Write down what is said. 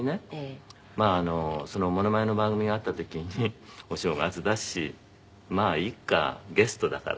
まあそのモノマネの番組があった時にお正月だしまあいいかゲストだから。